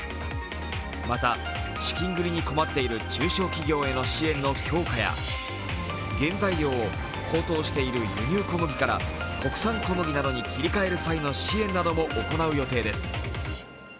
また、資金繰りに困っている中小企業への支援の強化や原材料を高騰している輸入小麦から国産小麦などに切り替える際の支援なども行う予定です。